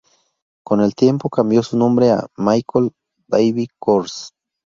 Con el tiempo cambió su nombre a Michael David Kors.